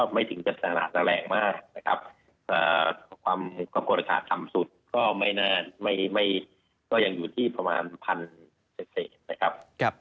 ไม่ถึงจะขนาดแรงมากนะครับความกดอากาศต่ำสุดก็อยู่ที่ประมาณ๑๐๐เศษนะครับ